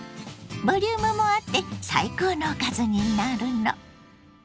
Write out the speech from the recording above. ボリュームもあって最高のおかずになるの。